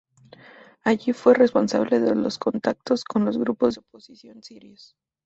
Allí fue responsable de los contactos con los grupos de oposición sirios.